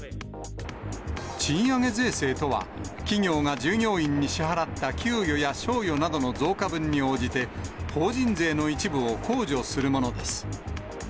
賃上げ税制とは、企業が従業員に支払った給与や賞与などの増加分に応じて、法人税の一部を控除するものです。